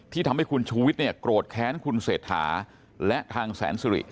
ทำให้คุณชูวิทย์เนี่ยโกรธแค้นคุณเศรษฐาและทางแสนสุริ